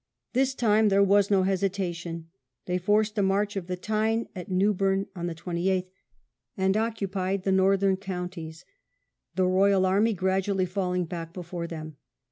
This time there was no hesitation : they fn?T?eaty of forced a passage of the Tyne at Newburn on Ripon. the 28th, and occupied the Northern counties, the Royal army gradually falling back before them.